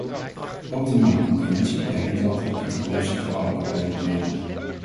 Optimale concurrentie leidt niet altijd tot het beste voor alle partijen in de wereld.